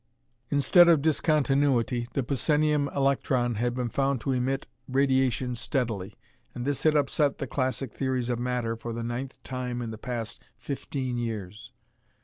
Instead of discontinuity, the psenium electron had been found to emit radiation steadily, and this had upset the classic theories of matter for the ninth time in the past fifteen years.